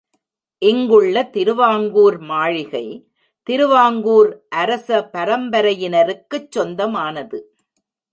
இங்குள்ள திருவாங்கூர் மாளிகை திருவாங்கூர் அரசபரம்பரையினருக்குச் சொந்தமானது.